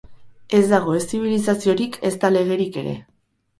Ez dago ez zibilizaziorik, ezta legerik ere.